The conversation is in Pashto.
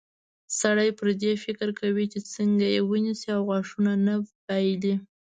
سړی پر دې فکر کوي چې څنګه یې ونیسي او غاښونه نه بایلي.